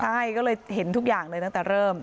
ใช่ก็เลยเห็นทุกอย่างเลยตั้งแต่เริ่ม